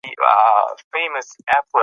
ایا په دې بازار کې تازه مېوې پیدا کیږي؟